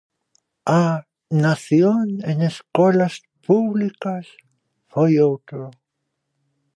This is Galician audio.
A "nación en escolas públicas" foi outro.